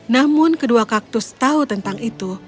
namun kedua kaktus tahu tentang itu